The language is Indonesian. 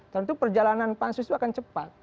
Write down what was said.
tentu perjalanan pansus itu akan cepat